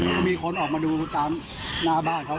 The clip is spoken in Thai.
ก็มีคนออกมาดูตามหน้าบ้านเขา